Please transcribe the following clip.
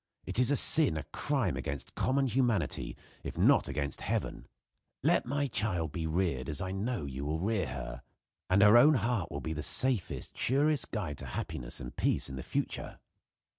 It is a sin a crime against common humanity, if not against heaven! Let my child be reared as I know you will rear her, and her own heart will be the safest, surest guide to happiness and peace in the future."